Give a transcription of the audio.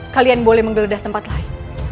kalian boleh menggeledah tempat lain